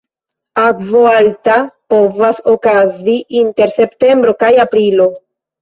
Akvo alta povas okazi inter septembro kaj aprilo.